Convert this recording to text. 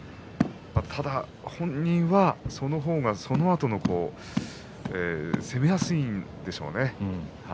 ただ本人はその方がそのあと攻めやすいでしょうね。